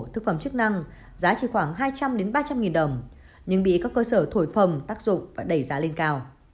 thực phẩm chức năng giá chỉ khoảng hai trăm linh ba trăm linh nghìn đồng nhưng bị các cơ sở thổi phòng tác dụng và đẩy giá lên cao